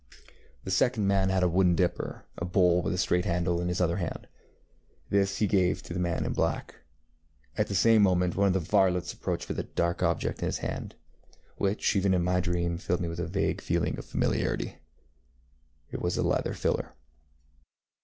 The second man had a wooden dipperŌĆöa bowl with a straight handleŌĆöin his other hand. This he gave to the man in black. At the same moment one of the varlets approached with a dark object in his hand, which even in my dream filled me with a vague feeling of familiarity. It was a leathern filler.